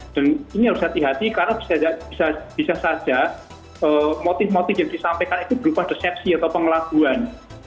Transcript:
dan ini harus hati hati karena bisa saja motif motif yang disampaikan itu berupa resepsi atau pengelakuan